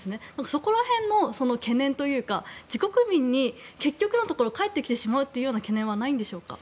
そこら辺の懸念というか結局のところ自国民に返ってきてしまうという懸念はないのでしょうか。